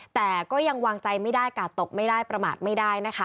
แต่ก็ยังวางใจไม่ได้กาดตกไม่ได้ประมาทไม่ได้นะคะ